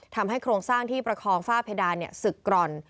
ทำให้โครงสร้างที่ประคองฝ้าเพดานเนี่ยสึกกร่อน